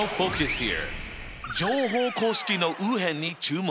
乗法公式の右辺に注目！